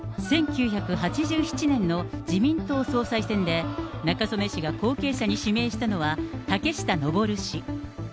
１９８７年の自民党総裁選で、中曽根氏が後継者に指名したのは竹下登氏。